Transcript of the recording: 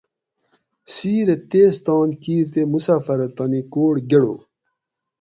سِیرہ تیز تان کِیر تے مسافرہ تانی کوٹ گڑو